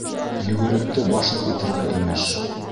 Йүгеректе башлыҡ итергә, имеш.